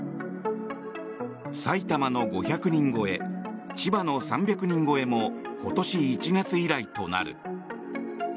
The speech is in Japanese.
埼玉の５００人超え千葉の３００人超えも今年１月以来となる。